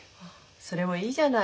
それもいいじゃない。